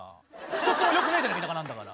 一つもよくないじゃない田舎なんだから。